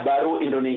kita harus menjaga